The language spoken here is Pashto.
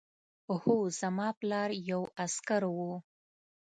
هو زما پلار یو عسکر و